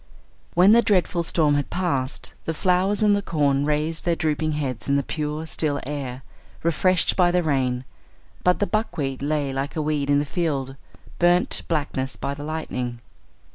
When the dreadful storm had passed, the flowers and the corn raised their drooping heads in the pure still air, refreshed by the rain, but the buckwheat lay like a weed in the field, burnt to blackness by the lightning.